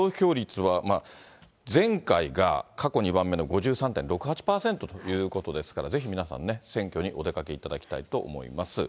投票率は、前回が過去２番目の５３．６８％ということですから、ぜひ皆さんね、選挙にお出かけいただきたいと思います。